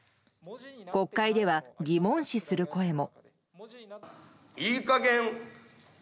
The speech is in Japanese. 国会では疑問視する声も。